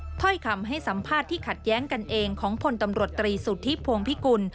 ถ้อยคำให้สัมภาษณ์ที่ขัดแย้งกันเองของพลตำรวจตรีสุทธิพวงพิกุล